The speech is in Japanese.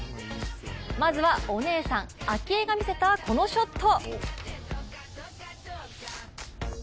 まずはお姉さん、明愛が見せたこのショット。